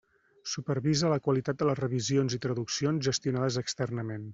Supervisa la qualitat de les revisions i traduccions gestionades externament.